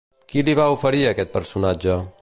Qui li va oferir aquest personatge?